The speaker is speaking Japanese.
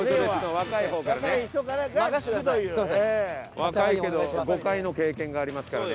若いけど５回の経験がありますからね。